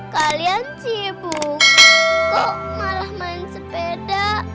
kalian sibuk kok malah main sepeda